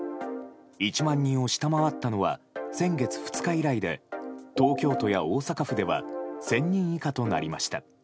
１万人を下回ったのは先月２日以来で東京都や大阪府では１０００人以下となりました。